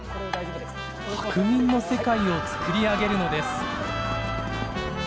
白銀の世界を作り上げるのです。